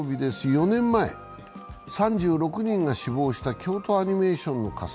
４年前、３６人が死亡した京都アニメーションの火災。